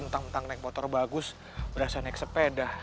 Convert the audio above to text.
mentang mentang naik motor bagus berasa naik sepeda